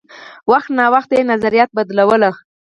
وخت نا وخت یې نظریات بدلول.